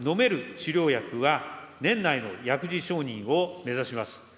治療薬は年内の薬事承認を目指します。